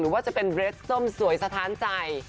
ว่าจะเป็นเรทส้มสวยสะท้านใจ